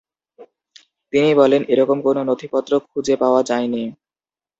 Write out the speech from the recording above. তিনি বলেন, এরকম কোন নথি পত্র খোঁজে পাওয়া যায়নি।